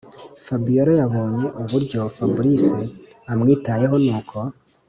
fabiora yabonye uburyo fabric amwitayeho nuko